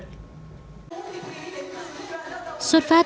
tiếp theo chương trình